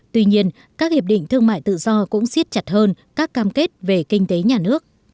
tuy nhiên các hiệp định thương mại tự do cũng xiết chặt hơn các cam kết về kinh tế nhà nước